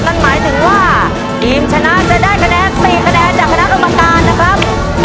นั่นหมายถึงว่าทีมชนะจะได้คะแนน๔คะแนนจากคณะกรรมการนะครับ